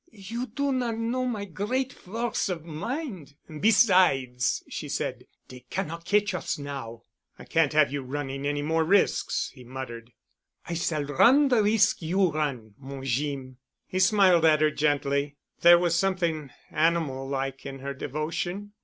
"You do not know my great force of mind. Besides," she added, "dey cannot catch us now." "I can't have you running any more risks," he muttered. "I s'all run de risk you run, mon Jeem." He smiled at her gently. There was something animal like in her devotion.